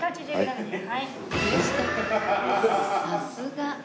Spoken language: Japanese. さすが。